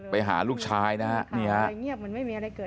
ไปหาลูกชายนะนี่ฮะ